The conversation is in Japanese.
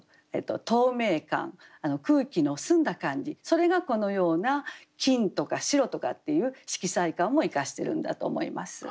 それがこのような「金」とか「白」とかっていう色彩感を生かしてるんだと思います。